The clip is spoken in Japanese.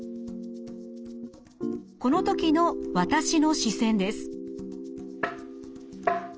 このときの私の視線です。